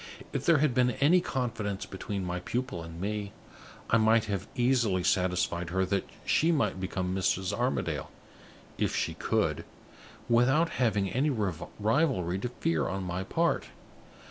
"If there had been any confidence between my pupil and me, I might have easily satisfied her that she might become Mrs. Armadale if she could without having any rivalry to fear on my part.